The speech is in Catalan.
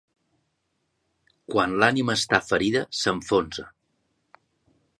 Quan l'ànima està ferida, s'enfonsa.